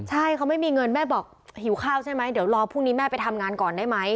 ใช่เขาไม่มีเงินแม่บอกหิวข้าวใช่ไหมเดี๋ยวรอพรุ่งนี้แม่ไปทำงานก่อนได้ไหม